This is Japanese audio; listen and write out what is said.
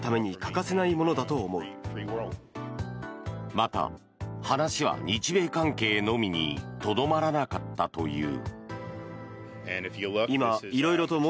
また、話は日米関係のみにとどまらなかったという。